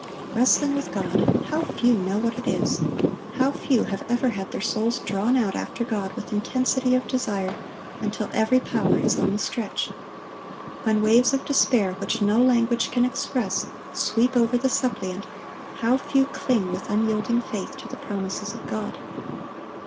Wrestling with God—how few know what it is! How few have ever had their souls drawn out after God with intensity of desire until every power is on the stretch. When waves of despair which no language can express sweep over the suppliant, how few cling with unyielding faith to the promises of God.